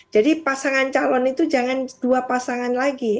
jadi pasangan calon itu jangan dua pasangan lagi